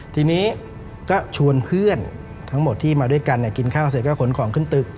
ทีนี้ก็ชวนเพื่อนทั้งหมดที่มาด้วยกันกินข้าวเสร็จก็ขนของขึ้นตึก